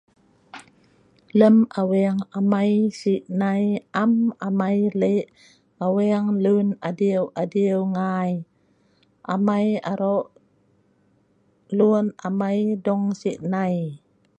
Lem aweng amai sinai am amai leh aweng lun adiu-adiu ngai. Amai aro' lun amai dong sinai.